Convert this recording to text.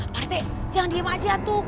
pak rite jangan diem aja tuh